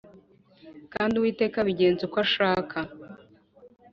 Kandi Uwiteka abigenze uko ashaka.